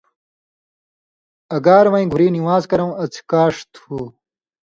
اگار وَیں گھُری نِوان٘ز کرؤں اڅھکاݜ تھُو۔